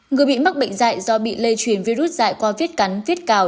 người bị mắc bệnh dạy do bị lây truyền virus dạy qua viết cắn viết cào